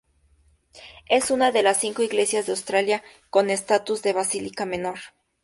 Es una de las cinco iglesias de Australia con estatus de basílica menor.